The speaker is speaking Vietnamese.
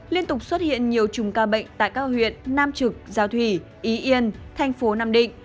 liên tục xuất hiện nhiều chùng ca bệnh tại các huyện nam trực giao thủy ý yên tp nam định